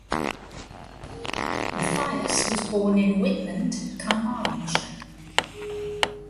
Mathias was born in Whitland, Carmarthenshire.